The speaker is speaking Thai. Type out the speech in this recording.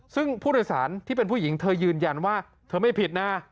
ซึ่งผู้โดยสารที่เป็นผู้หญิงเธอยืนยันว่าเธอไม่ผิดนะ